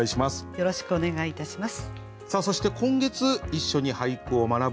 よろしくお願いします。